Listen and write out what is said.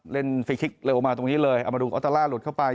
เล่นฟิล์กคลิกเร็วออกมาตรงนี้เลยเอามาดูอัตราร่าหลุดเข้าไป